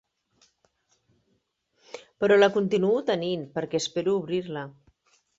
Però la continuo tenint perquè espero obrir-la.